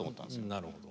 なるほど。